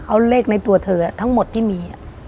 เอาเลขในตัวเธอทั้งหมดที่มี